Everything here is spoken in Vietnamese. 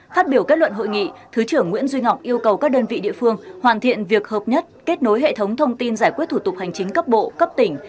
phát biểu kết luận hội nghị thứ trưởng nguyễn duy ngọc yêu cầu các đơn vị địa phương hoàn thiện việc hợp nhất kết nối hệ thống thông tin giải quyết thủ tục hành chính cấp bộ cấp tỉnh